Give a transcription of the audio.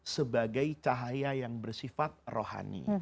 sebagai cahaya yang bersifat rohani